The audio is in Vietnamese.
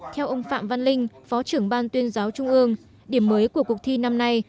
theo ông phạm văn linh phó trưởng ban tuyên giáo trung ương điểm mới của cuộc thi năm nay